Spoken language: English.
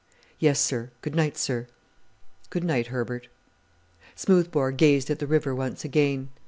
"Yes, sir; good night, sir." "Good night, Herbert." Smoothbore gazed at the river once again.